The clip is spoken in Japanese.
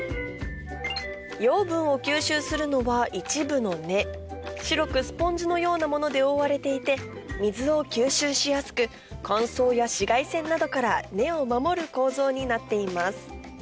養分を吸収するのは一部の根白くスポンジのようなもので覆われていて水を吸収しやすく乾燥や紫外線などから根を守る構造になっています